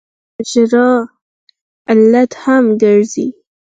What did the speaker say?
ژبه د ژړا علت هم ګرځي